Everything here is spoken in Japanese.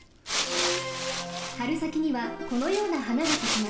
はるさきにはこのようなはながさきます。